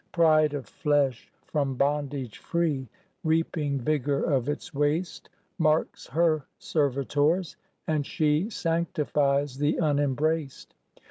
Pride of flesh from bondage free, Reaping vigour of its waste, Marks her servitors, and she Sanctifies the unembraced.